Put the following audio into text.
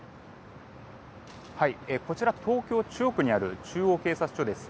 こちら東京・中央区にある中央警察署です。